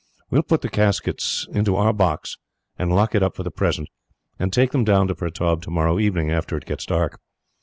"We will put the caskets into our box, and lock it up for the present, and take them down to Pertaub tomorrow evening, after it gets dark.